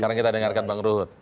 sekarang kita dengarkan bang ruhut